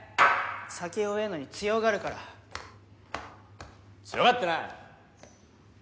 酒弱ぇのに強がるから強がってない！